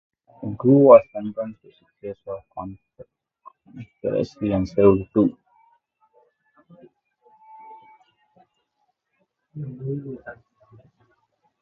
Drewe was sentenced to six years for conspiracy and served two.